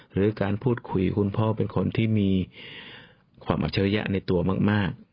หรือการพูดคุยคุณพ่อเป็นคนที่มีความอัจฉริยะในตัวมาก